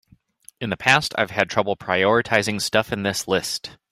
In the past I've had trouble prioritizing stuff in this list.